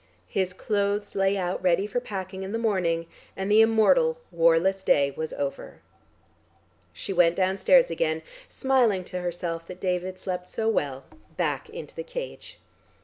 His clothes lay out ready for packing in the morning, and the immortal warless day was over. She went downstairs again, smiling to herself that David slept so well, back into the cage.